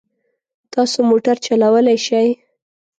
تاسو موټر چلولای شئ؟